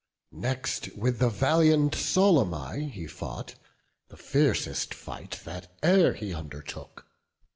Next, with the valiant Solymi he fought, The fiercest fight that e'er he undertook.